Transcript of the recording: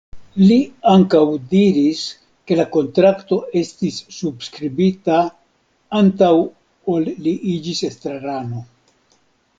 Li ankaŭ diris, ke la kontrakto estis subskribita antaŭ ol li iĝis estrarano.